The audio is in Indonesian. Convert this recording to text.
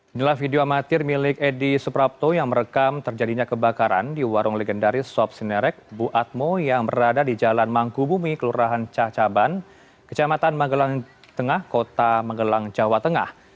inilah video amatir milik edi suprapto yang merekam terjadinya kebakaran di warung legendaris sob sinerik buatmo yang berada di jalan mangku bumi kelurahan cacaban kecamatan manggelang jawa tengah kota manggelang jawa tengah